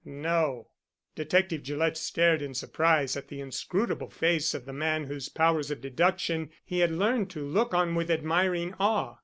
"No." Detective Gillett stared in surprise at the inscrutable face of the man whose powers of deduction he had learned to look on with admiring awe.